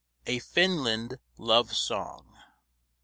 A FINLAND LOVE SONG.